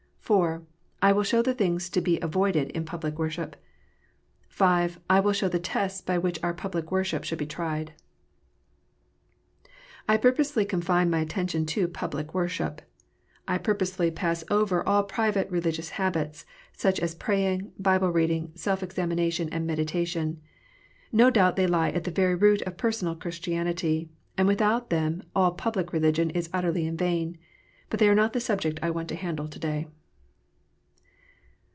IV. / will show the things to be avoided in public worship. V. / will show the tests by which our public worship should be tried. I purposely confine my attention to public worship. I pur posely pass over all private religious habits, such as praying, Bible reading, self examination, and meditation. No doubt they lie at the very root of personal Christianity, and with out them all public religion is utterly in vain. But they are not the subject I want to handle to day.